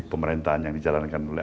pemerintahan yang dijalankan oleh